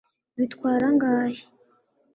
bitwara angahe